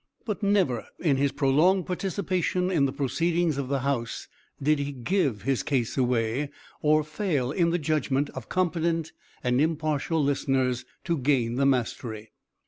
But never in his prolonged participation in the proceedings of the House did he give his case away, or fail in the judgment of competent and impartial listeners to gain the mastery.